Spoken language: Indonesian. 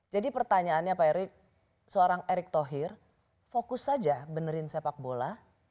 jadi pertanyaannya pak erik seorang erik thohir fokus saja benerin sepak bola